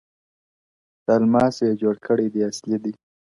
د الماسو یې جوړ کړی دی اصلي دی,